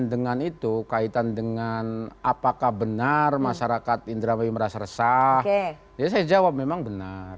dengan itu kaitan dengan apakah benar masyarakat indramayu merasa resah ya saya jawab memang benar